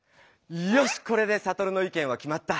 よしこれでサトルの意見はきまった！